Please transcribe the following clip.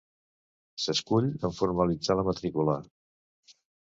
S'escull en formalitzar la matrícula.